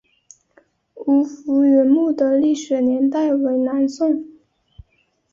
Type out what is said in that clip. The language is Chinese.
吴福源墓的历史年代为南宋。